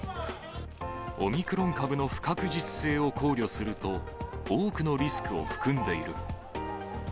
オミクロン株の不確実性を考慮すると、多くのリスクを含んでいる。